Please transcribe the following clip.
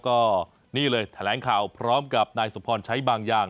ก็นี่เลยแถลงข่าวพร้อมกับนายสมพรใช้บางอย่าง